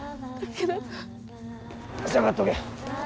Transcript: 下がっとけ。